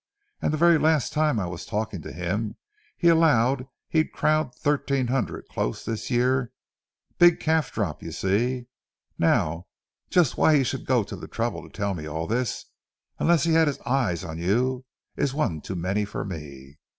And the very last time I was talking to him, he allowed he'd crowd thirteen hundred close this year—big calf crop, you see. Now, just why he should go to the trouble to tell me all this, unless he had his eye on you, is one too many for me.